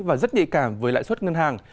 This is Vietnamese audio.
và rất nhạy cảm với lãi suất ngân hàng